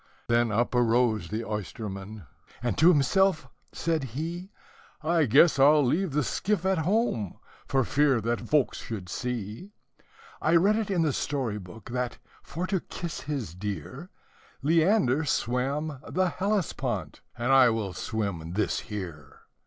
Then up arose the oysterman, and to himself said he, "I guess I 'll leave the skiff at home, for fear that folks should see I read it in the story book, that, for to kiss his dear, Leander swam the Hellespont, and I will swim this here."